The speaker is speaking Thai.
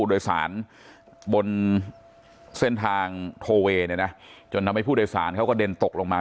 ผู้โดยสารบนเส้นทางโทเวจนทำให้ผู้โดยสารเขาก็เดินตกลงมา